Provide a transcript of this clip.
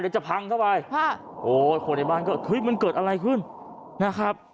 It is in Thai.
จะพังเข้าไปโอ้ยคนในบ้านก็เฮ้ยมันเกิดอะไรขึ้นนะครับ